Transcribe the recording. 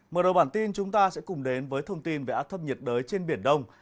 mở đầu bản tin chúng ta sẽ cùng đến với thông tin về áp thấp nhiệt đới trên biển đông